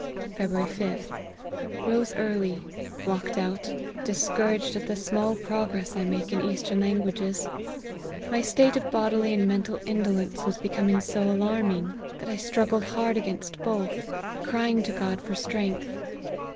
" February 5th. Rose early ; walked out, dis couraged at the small progress I make in the eastern \anguages. My state of bodily and mental indo icnce was becoming so alarming, that I struggled 72 LIFE OF HENRY MARTYN. hard against both, crying to God for strength.